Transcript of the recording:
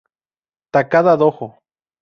Takada Dojo